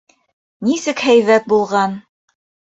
Нисек һәйбәт булған!